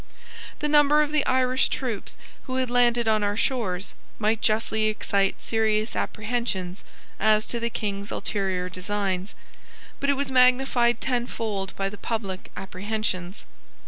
The number of the Irish troops who had landed on our shores might justly excite serious apprehensions as to the King's ulterior designs; but it was magnified tenfold by the public apprehensions.